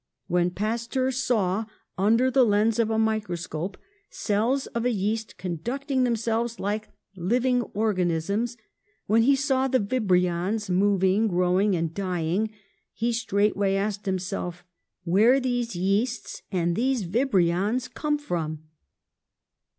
When Pasteur saw, under the lens of a microscope, cells of yeast conducting themselves like living organisms, when he saw the vibrio7is moving, growing and dying, he straightway asked himself where these yeasts and these vibrions come from.